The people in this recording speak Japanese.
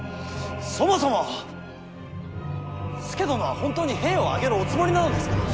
そもそも、佐殿は本当に兵を挙げるおつもりなのですか。